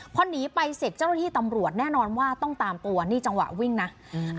พอหนีไปเสร็จเจ้าหน้าที่ตำรวจแน่นอนว่าต้องตามตัวนี่จังหวะวิ่งนะอืม